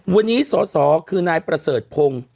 วันนี้สสคือนายประเสริฐพงศ์